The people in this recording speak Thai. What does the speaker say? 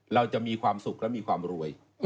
เราจะมีความสุขและมีความรวย